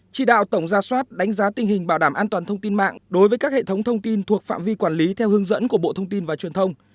chỉ đạo tổng gia soát đánh giá tình hình bảo đảm an toàn thông tin mạng đối với các hệ thống thông tin thuộc phạm vi quản lý theo hướng dẫn của bộ thông tin và truyền thông